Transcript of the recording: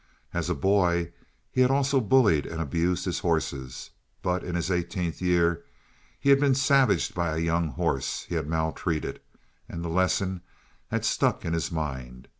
As a boy he had also bullied and abused his horses. But in his eighteenth year he had been savaged by a young horse he had maltreated, and the lesson had stuck in his mind.